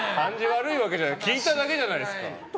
感じ悪いわけじゃない聞いただけじゃないですか！